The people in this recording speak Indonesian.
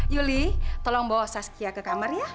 yuli tolong bawa saskia ke kamar ya